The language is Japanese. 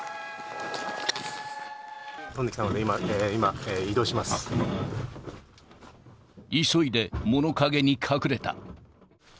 飛んできたので、今、急いで物陰に隠れた。